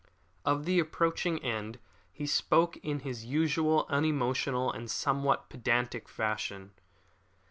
Of his approaching end he spoke in his usual unemotional and somewhat pedantic fashion.